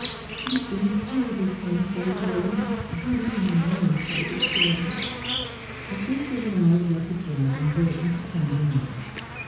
' It has been a terrible time for us all, and God only knows how it is to end.' A quarter of an hour's rapid driving brought them to Tangley Manor.